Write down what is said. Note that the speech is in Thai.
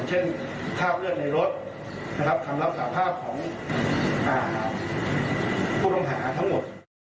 เช่นฆ่าเลือดในรถคำรับสาภาพของผู้ตำรวจภูทรทั้งหมด